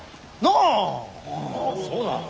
ああそうだ。